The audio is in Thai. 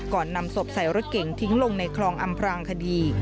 นำศพใส่รถเก่งทิ้งลงในคลองอำพรางคดี